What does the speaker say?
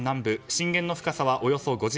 震源の深さはおよそ５０ｋｍ。